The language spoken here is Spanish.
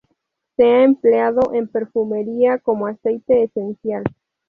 Se ha empleado en perfumería como aceite esencial.